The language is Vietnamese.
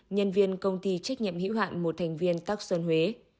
nhân viên công ty trách nhiệm hữu hạn một thành viên tắc sơn huế